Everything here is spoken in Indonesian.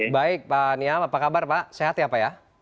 baik pak niam apa kabar pak sehat ya pak ya